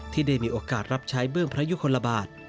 ที่ได้มีโอกาสรับใช้เบื้องพระยุคลบาท